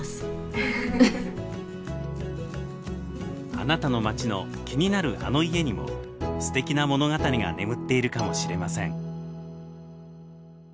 あなたの町の気になるあの家にもすてきな物語が眠っているかもしれません。